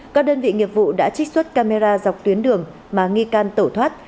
các đơn vị nghiệp vụ đã trích xuất camera dọc tuyến đường mà nghi can tẩu thoát